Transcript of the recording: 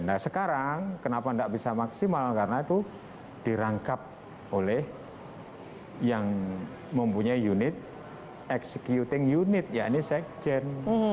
nah sekarang kenapa tidak bisa maksimal karena itu dirangkap oleh yang mempunyai unit executing unit ya ini sekjen